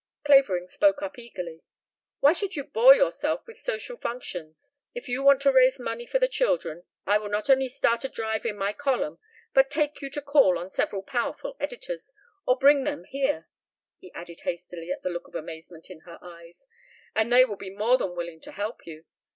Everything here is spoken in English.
Clavering spoke up eagerly. "Why should you bore yourself with social functions? If you want to raise money for the children I will not only start a drive in my column but take you to call on several powerful editors or bring them here," he added hastily at the look of amazement in her eyes, "and they will be more than willing to help you.